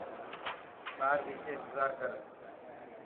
ٻار ڀيچي انتظار ڪر.